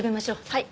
はい。